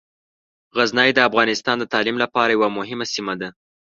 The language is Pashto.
غزني د افغانستان د تعلیم لپاره یوه مهمه سیمه ده.